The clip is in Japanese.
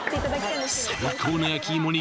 最高の焼き芋に